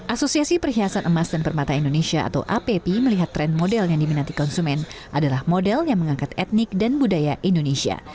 asosiasi perhiasan emas dan permata indonesia atau app melihat tren model yang diminati konsumen adalah model yang mengangkat etnik dan budaya indonesia